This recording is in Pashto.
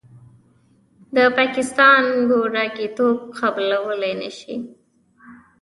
د پاکستان ګوډاګیتوب قبلولې نشي.